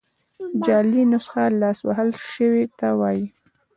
جعلي نسخه لاس وهل سوي ته وايي.